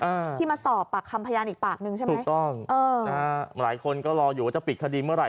อ่าที่มาสอบปากคำพยานอีกปากหนึ่งใช่ไหมถูกต้องเออนะฮะหลายคนก็รออยู่ว่าจะปิดคดีเมื่อไห